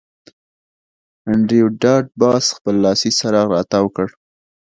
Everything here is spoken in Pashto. انډریو ډاټ باس خپل لاسي څراغ تاو کړ